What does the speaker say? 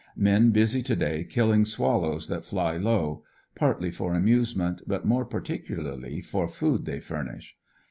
Men busy to day killing swallows that fly low ; partly for amusement, but more particularly for food they furnish.